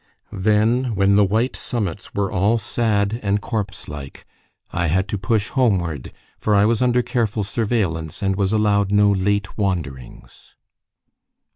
Then, when the white summits were all sad and corpse like, I had to push homeward, for I was under careful surveillance, and was allowed no late wanderings.